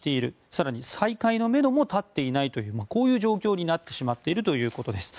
更に再開のめども立っていないという状況になってしまっているということです。